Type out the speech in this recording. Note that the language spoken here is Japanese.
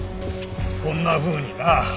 こんなふうにな。